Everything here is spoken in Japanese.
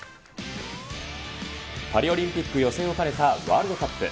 パリオリンピック予選を兼ねたワールドカップ。